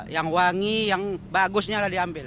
yang wangi yang bagusnya lah diambil